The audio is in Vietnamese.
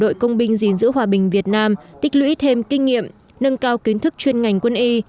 đội công binh gìn giữ hòa bình việt nam tích lũy thêm kinh nghiệm nâng cao kiến thức chuyên ngành quân y